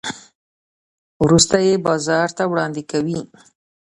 وروسته یې بازار ته وړاندې کوي.